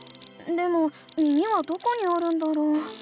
でも耳はどこにあるんだろう？